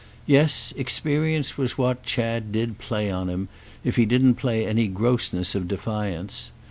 Yes, experience was what Chad did play on him, if he didn't play any grossness of defiance.